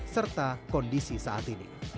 serta kondisi saat ini